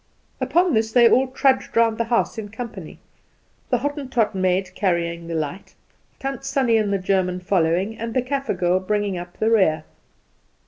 Upon this they all trudged round the house in company the Hottentot maid carrying the light, Tant Sannie and the German following, and the Kaffer girl bringing up the rear.